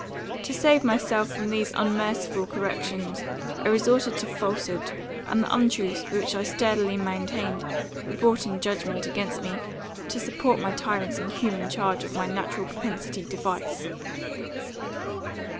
To save myself from these unmerciful corrections, I resorted to falshood, and the untruths which I sturdily maintained, were brought in judgment against me, to support my tyrant's inhuman charge of my natural propensity to vice.